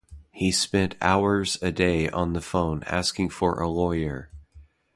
He spent hours a day on the phone asking for a lawyer.